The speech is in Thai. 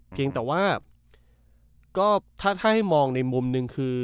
เพียงแต่ว่าก็ถ้าให้มองในมุมหนึ่งคือ